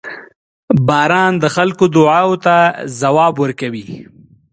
• باران د خلکو دعاوو ته ځواب ورکوي.